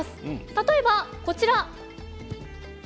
例えばこちら。